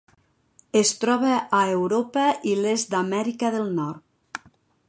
Es troba a Europa i l'est d'Amèrica del Nord.